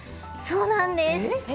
そうなんです。